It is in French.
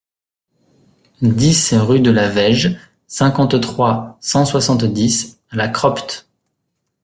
dix rue de la Vaige, cinquante-trois, cent soixante-dix à La Cropte